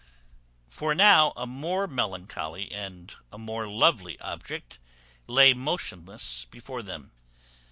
For now a more melancholy and a more lovely object lay motionless before them.